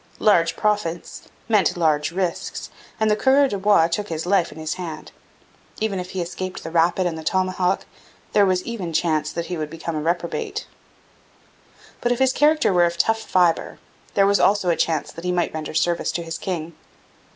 Large profits meant large risks, and the coureur de bois took his life in his hand. Even if he escaped the rapid and the tomahawk, there was an even chance that he would become a reprobate. But if his character were of tough fibre, there was also a chance that he might render service to his king.